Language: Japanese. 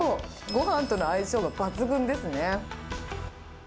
ごはんとの相性が抜群ですね。